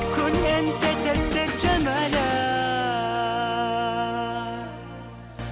ku ingin tetap terjamalah